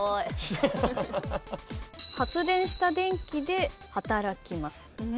発電した電気で働きます。